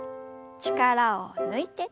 力を抜いて。